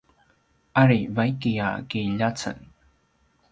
ari vaiki a kiljaceng